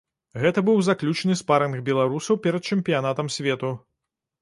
Гэта быў заключны спарынг беларусаў перад чэмпіянатам свету.